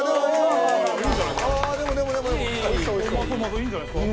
いいんじゃないですか？